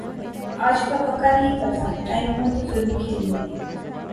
آج کا پکا نہیں پتا، ٹائم ہوا تو زرور کھیلیں گے۔